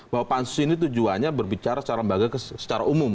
bahwa pansus ini tujuannya berbicara secara umum